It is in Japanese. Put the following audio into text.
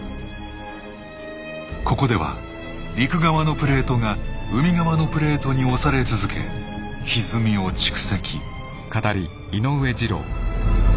ここでは陸側のプレートが海側のプレートに押され続けひずみを蓄積。